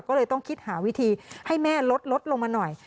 ก็เลยต้องคิดหาวิธีให้แม่ลดลงมาหน่อย